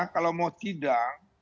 kalau mau sidang